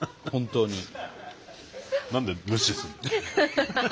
本当に。